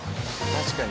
確かに。